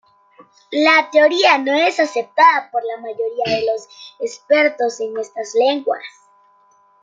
La teoría no es aceptada por la mayoría de los expertos en estas lenguas.